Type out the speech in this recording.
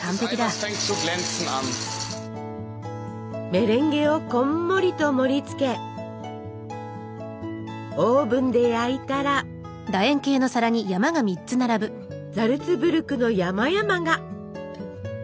メレンゲをこんもりと盛りつけオーブンで焼いたらザルツブルクの山々が！